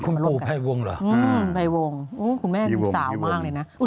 คุณครูพ่ายวงเหรออืมพ่ายวงคุณแม่ดูสาวมากเลยนะพี่วง